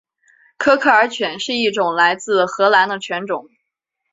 科克尔犬是一种来自荷兰的犬种。